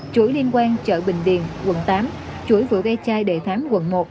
chuỗi liên quan chợ bình điền quận tám chuỗi vụ ghe chai đệ thám quận một